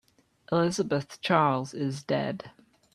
Elizabeth Charles is dead.